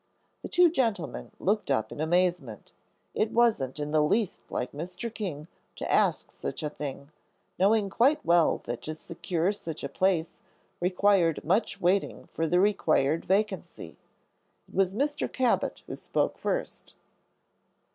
The two gentlemen looked up in amazement. It wasn't in the least like Mr. King to ask such a thing, knowing quite well that to secure such a place required much waiting for the required vacancy. It was Mr. Cabot who spoke first.